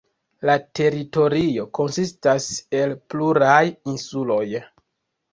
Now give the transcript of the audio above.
La teritorio konsistas el pluraj insuloj.